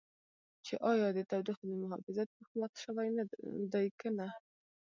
چې ایا د تودوخې د محافظت پوښ مات شوی دی که نه.